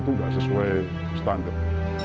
itu nggak sesuai standar